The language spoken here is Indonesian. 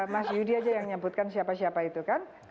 mas yudi aja yang menyebutkan siapa siapa itu kan